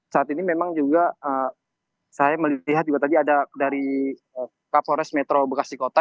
saat ini memang juga saya melihat juga tadi ada dari kapolres metro bekasi kota